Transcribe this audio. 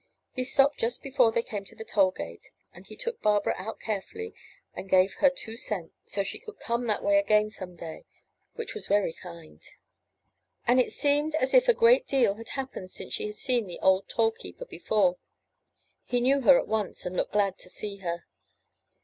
He stopped just before they came to the toll gate, and he took Barbara out carefully and gave her two cents, so she 446 ci UP ONE PAIR OF STAIRS 6l£.n/ <G"rc could come that way again some day, which was very kind. And it seemed as if a great deal had happened since she had seen the old toll keeper before. He knew her at once, and looked glad to see her.